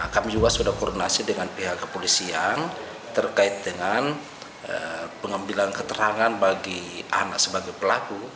kami juga sudah koordinasi dengan pihak kepolisian terkait dengan pengambilan keterangan bagi anak sebagai pelaku